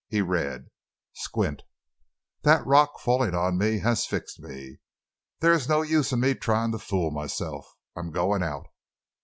He read: Squint: That rock falling on me has fixed me. There is no use in me trying to fool myself. I'm going out.